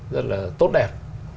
rất là tốt đẹp